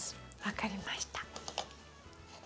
分かりました。